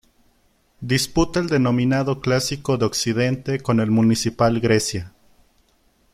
Disputa el denominado Clásico de Occidente con el Municipal Grecia.